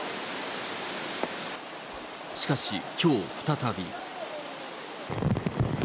しかしきょう再び。